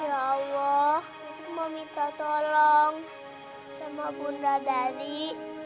ya allah itu mau minta tolong sama bunda dari